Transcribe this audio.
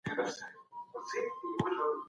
تاریخ به هر څه ثابت کړي.